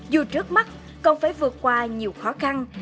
dù trước mắt còn phải vượt qua nhiều khó khăn